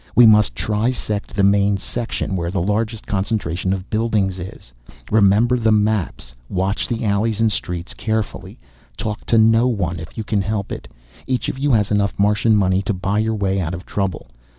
We must trisect the main section, where the largest concentration of buildings is. Remember the maps! Watch the alleys and streets carefully. Talk to no one if you can help it. Each of you has enough Martian money to buy your way out of trouble.